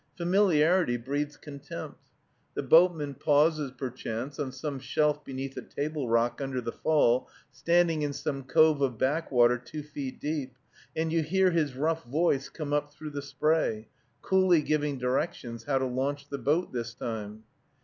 Familiarity breeds contempt. The boatman pauses, perchance, on some shelf beneath a table rock under the fall, standing in some cove of backwater two feet deep, and you hear his rough voice come up through the spray, coolly giving directions how to launch the boat this time.